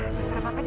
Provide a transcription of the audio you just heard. sengsara papa deh